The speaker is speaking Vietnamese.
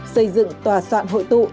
xây dựng tòa soạn hội tụ